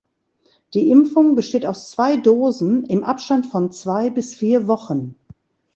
Die Impfung besteht aus zwei Dosen im Abstand von zwei bis vier Wochen.